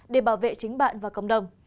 để bảo vệ chính bạn và cộng đồng